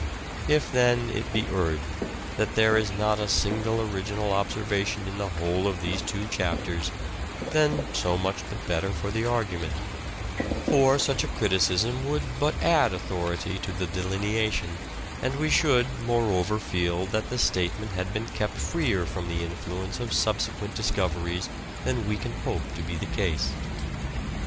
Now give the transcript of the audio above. If, then, it be urged that there is not a single original observation in the whole of these two chapters, then so much the better for the argument ; for such a criticism would but add authority to the delineation and we should, moreover, feel that the statement had been kept freer from the influence of subsequent discoveries than we can hope to be the case.